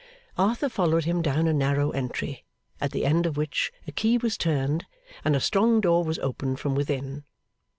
Arthur followed him down a narrow entry, at the end of which a key was turned, and a strong door was opened from within.